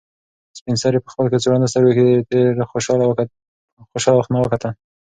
سپین سرې په خپل کڅوړنو سترګو کې تېر خوشحاله وختونه کتل.